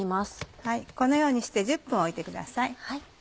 このようにして１０分おいてください。